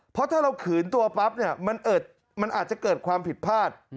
เพราะถ้าเราขืนตัวปั๊บเนี่ยมันอาจจะเกิดความผิดพลาด